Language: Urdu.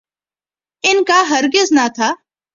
ان کا ہرگز نہ تھا۔